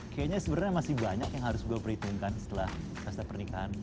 kayaknya sebenarnya masih banyak yang harus gue perhitungkan setelah pesta pernikahan